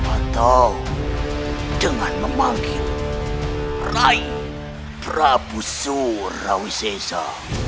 atau dengan memanggil rai prabu surawisesa